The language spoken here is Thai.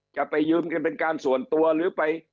จะไปยืมกันเป็นการส่วนตัวหรือไป